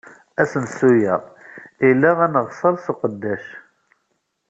Asensu-a ila aneɣsar s uqeddac.